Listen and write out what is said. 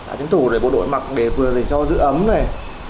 áo chiến thủ để bộ đội mặc để vừa để cho giữ ấm này